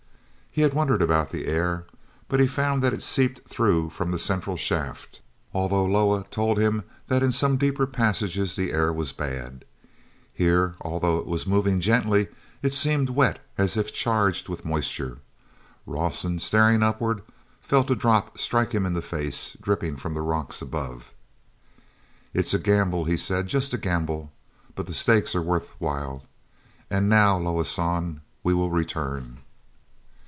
He had wondered about the air, but he found that it seeped through from that central shaft, although Loah told him that in some deeper passages the air was bad. Here, although it was moving gently, it seemed wet as if charged with moisture. Rawson, staring upward, felt a drop strike him in the face, dripping from the rocks above. "It's a gamble," he said, "just a gamble. But the stakes are worth while. And now, Loah San, we will return."